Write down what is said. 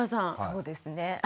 そうですね。